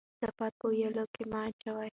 کثافات په ویاله کې مه اچوئ.